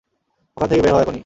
ওখান থেকে বের হও এখনই।